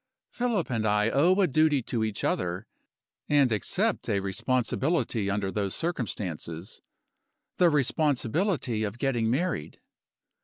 "Philip and I owe a duty to each other, and accept a responsibility under those circumstances the responsibility of getting married."